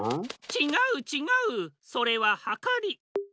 ちがうちがうそれははかり。